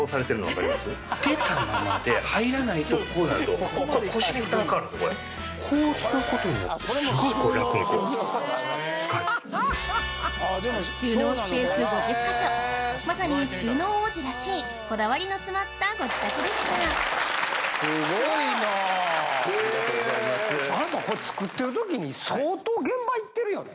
あなたこれ作ってる時に相当現場行ってるよね。